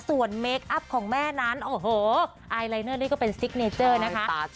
ส่วนเมคอัพของแม่นั้นโอ้โหไอลายเนอร์นี่ก็เป็นซิกเนเจอร์นะคะ